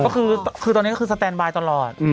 ก็คือตอนนี้ก็คือสแตนบายตลอด